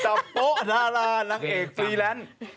จับโปดารานางเอกฟรีแลนด์